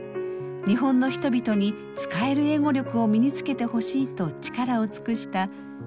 日本の人々に使える英語力を身につけてほしいと力を尽くした９１年の生涯でした。